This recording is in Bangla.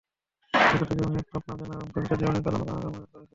বিগত জীবনের পাপ মার্জনা এবং ভবিষ্যৎ জীবনের কল্যাণ কামনা করে মোনাজাত করেছেন।